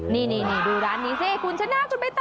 นี่ดูร้านนี้สิคุณชนะคุณใบตอ